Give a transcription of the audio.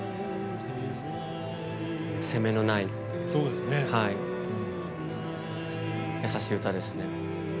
攻めのない優しい歌ですね。